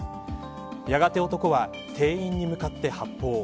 やがて男は店員に向かって発砲。